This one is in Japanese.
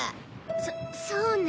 そそうね。